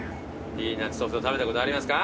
ピーナッツソフト食べたことありますか？